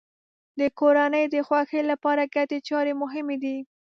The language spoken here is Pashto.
د کورنۍ د خوښۍ لپاره ګډې چارې مهمې دي.